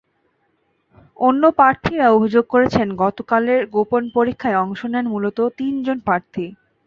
অন্য প্রার্থীরা অভিযোগ করেছেন, গতকালের গোপন পরীক্ষায় অংশ নেন মূলত তিনজন প্রার্থী।